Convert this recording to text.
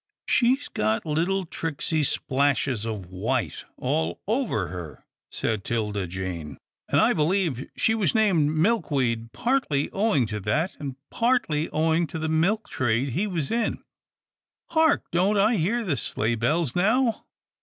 " She's got little tricksey splashes of white all over her," said 'Tilda Jane, " and I believe she was named Milkweed partly owing to that, and partly owing to the milk trade he was in —' Hark ! don't I hear sleigh bells now?